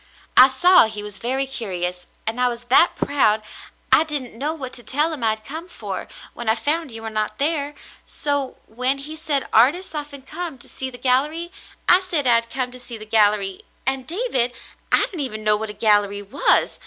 I saw he was very curious, and I was that proud I didn't know what to tell him I had come for, when I found you were not there, so when he said artists often came to see the gallery, I said I had come to see the gallery; and David, I didn't even know what a gallery was.